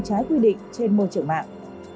trái quy định trên môi trường mạng